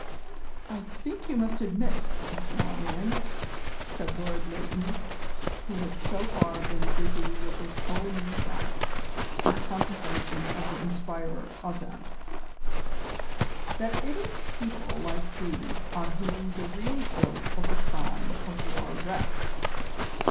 "I think you must admit, Professor Marmion," said Lord Leighton, who had so far been busy with his own new thoughts and the contemplation of the inspirer of them, "that it is people like these on whom the real guilt of the crime of war rests.